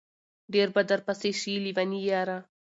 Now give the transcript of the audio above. ډېر به درپسې شي لېوني ياره